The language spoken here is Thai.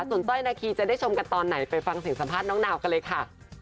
ส่วนสร้อยนาคีจะได้ชมกันตอนไหนไปฟังเสียงสัมภาษณ์น้องนาวกันเลยค่ะ